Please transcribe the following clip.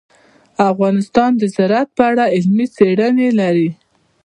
افغانستان د زراعت په اړه علمي څېړنې لري.